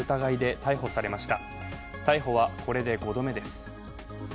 逮捕は、これで５度目です。